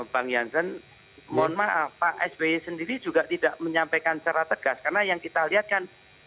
bang jansen mohon maaf pak sby sendiri juga tidak menyampaikan secara tegas karena yang kita lihat kan